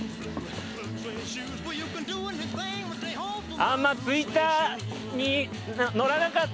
あんまツイッターに載らなかった！